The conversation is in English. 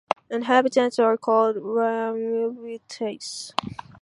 Inhabitants are called "Rambuvetais".